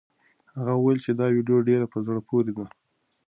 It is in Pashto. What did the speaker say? هغه وویل چې دا ویډیو ډېره په زړه پورې ده.